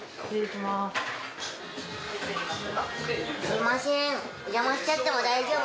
すいません。